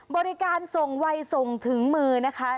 บริการส่งวัยส่งถึงมือนะคะ